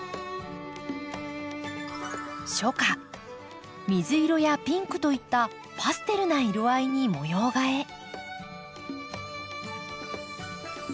初夏水色やピンクといったパステルな色合いに模様替え。